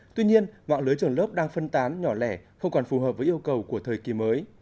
tuy nhiên mạng lưới trường lớp đang phân tán nhỏ lẻ không còn phù hợp với yêu cầu của thời kỳ mới